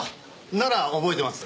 なら覚えてます。